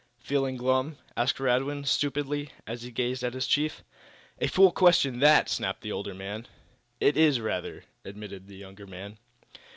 "Feeling glum?" asked Radwin, stupidly, as he gazed at his chief. "A fool question that!" snapped the older man. "It is, rather," admitted the younger man.